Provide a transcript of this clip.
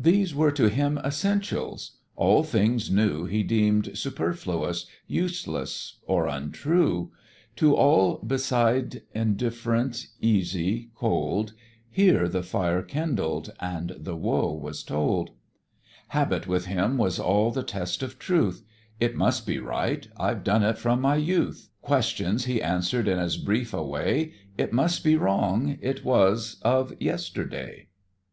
These were to him essentials; all things new He deemed superfluous, useless, or untrue: To all beside indifferent, easy, cold, Here the fire kindled, and the woe was told. Habit with him was all the test of truth: "It must be right: I've done it from my youth." Questions he answer'd in as brief a way: "It must be wrong it was of yesterday."